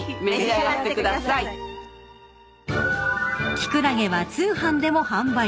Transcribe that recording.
［キクラゲは通販でも販売］